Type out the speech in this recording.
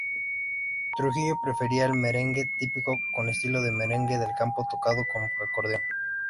Trujillo prefería el merengue típico, un estilo de merengue del campo tocado con acordeón.